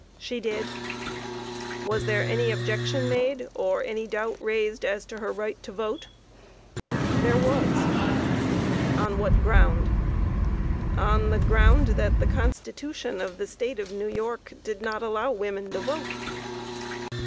A. She did. Q. Was there any objection made, or any doubt raised as to her right to vote? A. There was. Q. On what ground? A. On the ground that the Constitution of the State of New York did not allow women to vote.